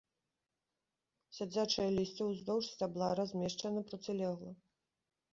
Сядзячае лісце ўздоўж сцябла размешчана процілегла.